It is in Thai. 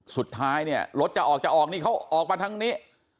สุดท้ายเนี่ยรถจะออกจะออกนี่เขาออกมาทางนี้